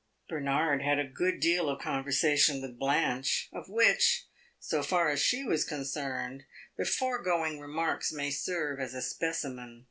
Bernard had a good deal of conversation with Blanche, of which, so far as she was concerned, the foregoing remarks may serve as a specimen.